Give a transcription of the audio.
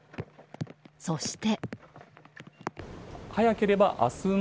そして。